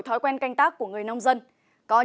xin kính chào và hẹn gặp lại